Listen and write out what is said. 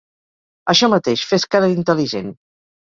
Això mateix, fes cara d'intel·ligent.